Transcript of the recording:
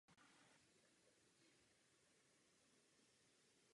Je autorem řady publikací zabývajících se především informační bezpečností.